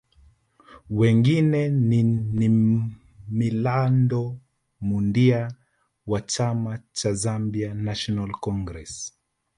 Wengine ni Namilando Mundia wa chama cha Zambia National Congress